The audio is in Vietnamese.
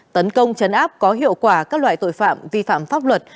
tấn công chấn áp có hiệu quả các loại tội phạm vi phạm pháp luật